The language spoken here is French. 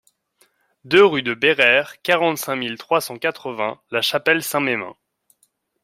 deux rue de Béraire, quarante-cinq mille trois cent quatre-vingts La Chapelle-Saint-Mesmin